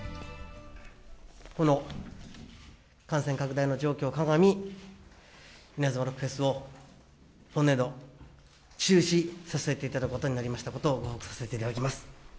この感染拡大の状況を鑑み、イナズマロックフェスを今年度、中止させていただくことになりましたことをご報告させていただきます。